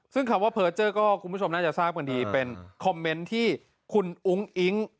ซึ่งคำว่าเพอร์เจอร์ก็คุณผู้ชมน่าจะทราบกันดีเป็นคอมเมนต์ที่คุณอุ้งอิ๊ง